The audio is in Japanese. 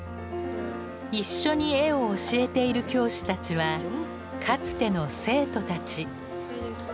一緒に絵を教えている教師たちはかつての生徒たち。